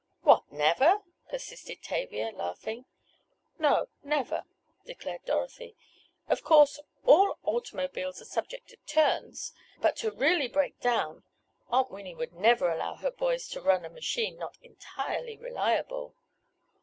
"What, never?" persisted Tavia, laughing. "No, never," declared Dorothy. "Of course all automobiles are subject to turns, but to really break down—Aunt Winnie would never allow her boys to run a machine not entirely reliable."